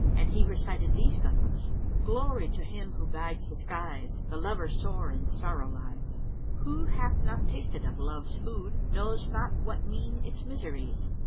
And he recited these couplets, "Glory to Him who guides the skies! * The lover sore in sorrow lies. Who hath not tasted of Love's food * Knows not what mean its miseries.